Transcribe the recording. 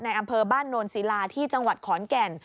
อำเภอบ้านโนนศิลาที่จังหวัดขอนแก่น